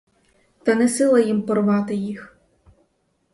Та не сила їм порвати їх.